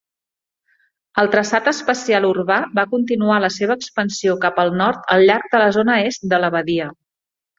El traçat espacial urbà va continuar la seva expansió cap al nord al llarg de la zona est de la badia.